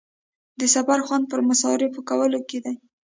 د سفر خوند پر مصارفو کولو کې دی.